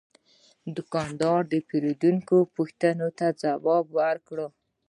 دوکاندار د پیرودونکي پوښتنو ته ځواب ورکړ.